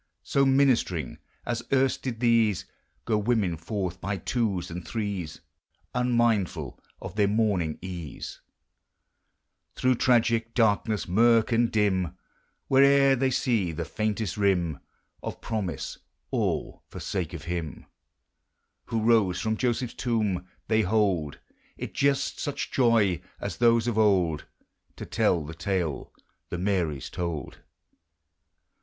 So, ministering as erst did these, (lo women forth by twos and threes (Unmindful of their morning ease), Through tragic darkness, murk and dim, Where'er they see the faintest rim, Of promise, — all for sake of him Who rose from Joseph's tomb. They hold It just such joy as those of old. To tell the tale the Marys told.